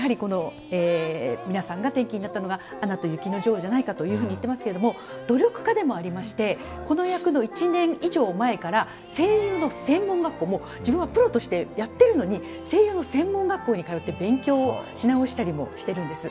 皆さんが転機になったのがアナと雪の女王じゃないかと言っていますが努力家でもありましてこの役の１年以上前から声優の専門学校自分はプロとしてやっているのに専門学校に通って勉強し直したりもしてるんです。